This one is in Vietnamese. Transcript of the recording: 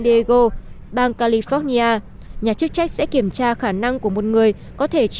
daego bang california nhà chức trách sẽ kiểm tra khả năng của một người có thể